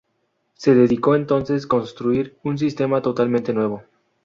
Se decidió entonces construir un sistema totalmente nuevo.